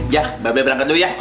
ya babay berangkat dulu ya